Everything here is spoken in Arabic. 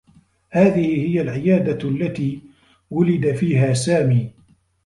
هذه هي العيادة التي وُلد فيها سامي.